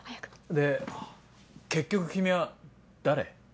で結局君は誰？